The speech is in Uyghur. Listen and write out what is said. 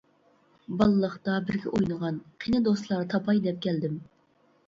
بالىلىقتا بىرگە ئوينىغان، قىنى دوستلار تاپاي دەپ كەلدىم.